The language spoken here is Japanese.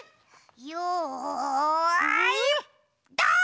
よいドン！